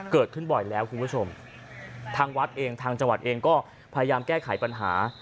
เกิดขึ้นบ่อยแล้วคุณผู้ชมทางวัดเองทางจังหวัดเองก็พยายามแก้ไขปัญหา